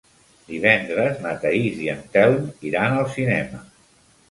Divendres na Thaís i en Telm iran al cinema.